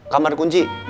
kamar ada kunci